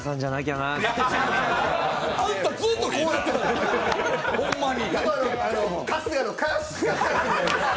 あんた、ずっとこうやってた、ほんまに。